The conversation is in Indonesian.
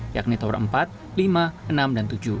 yakni tower empat lima enam dan tujuh